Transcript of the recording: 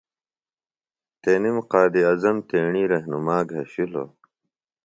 تنم قائداعظم تیݨی رہنُما گھشِلوۡ۔